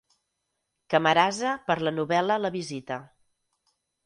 Camarasa, per la novel·la La visita.